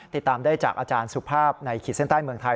ติดตามได้จากอาจารย์สุภาพในขีดเส้นใต้เมืองไทย